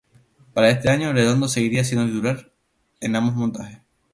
Para este año, Redondo seguiría siendo titular en ambos montajes.